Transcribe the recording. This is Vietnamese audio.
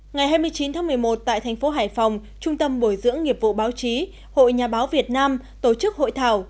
ngày hai mươi chín tháng một mươi một tại thành phố hải phòng trung tâm bồi dưỡng nghiệp vụ báo chí hội nhà báo việt nam tổ chức hội thảo